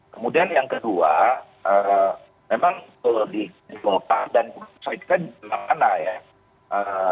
kemudian yang kedua memang di golkar dan di kusaitkan di mana ya